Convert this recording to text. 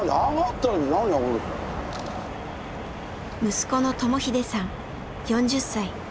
息子の智英さん４０歳。